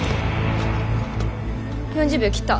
４０秒切った。